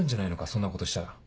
そんなことしたら。